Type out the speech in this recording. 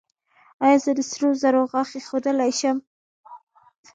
ایا زه د سرو زرو غاښ ایښودلی شم؟